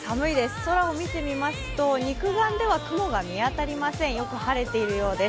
空を見てみますと肉眼では雲が見当たりません、よく晴れているようです。